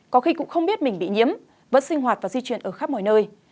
có khi cũng không biết mình bị nhiễm vẫn sinh hoạt và di chuyển ở khắp mọi nơi